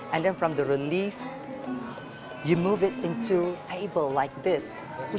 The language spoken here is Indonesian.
lalu dari relif anda memasaknya ke meja seperti ini